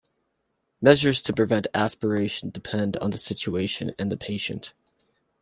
Measures to prevent aspiration depend on the situation and the patient.